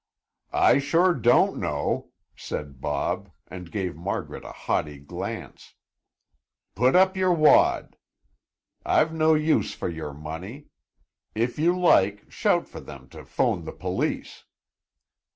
"I sure don't know," said Bob and gave Margaret a haughty glance. "Put up your wad; I've no use for your money. If you like, shout for them to 'phone the police."